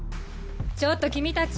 ちょっと君たち。